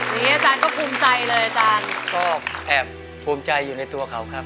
นี่อาจารย์ก็ภูมิใจเลยอาจารย์ก็แอบภูมิใจอยู่ในตัวเขาครับ